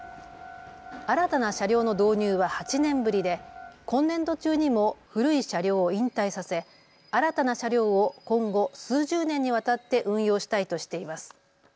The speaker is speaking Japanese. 新たな車両の導入は８年ぶりで今年度中にも古い車両を引退させ新たな車両を今後数十年にわたって運用したいとしています。